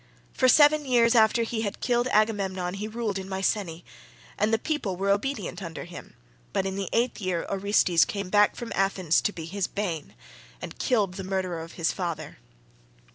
For seven years after he had killed Agamemnon he ruled in Mycene, and the people were obedient under him, but in the eighth year Orestes came back from Athens to be his bane, and killed the murderer of his father.